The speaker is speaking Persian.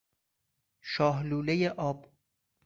شاه لولهی آب